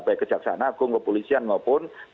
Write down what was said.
baik kejaksanagung kepolisian maupun kpk